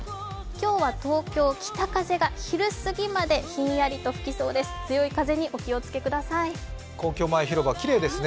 今日は東京、北風が昼過ぎまでひんやりと吹きそうです。